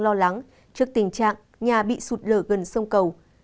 lo lắng trước tình trạng nhà bị sụt lở gần sông cầu